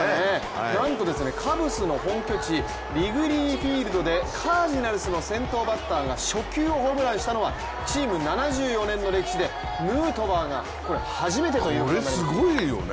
なんとカブスの本拠地、リグレー・フィールドでカージナルスの先頭バッターが初球をホームランにしたのはチーム７４年の歴史でヌートバーが初めてということになりますね。